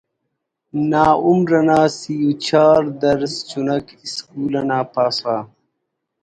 نا عمر انا سِی و چار درسد چناک اسکول آ ہنپسہ